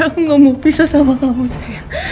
gak aku gak mau pisah sama kamu sayang